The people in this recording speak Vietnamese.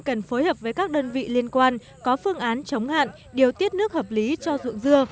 cần phối hợp với các đơn vị liên quan có phương án chống hạn điều tiết nước hợp lý cho ruộng dưa